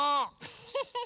フフフ！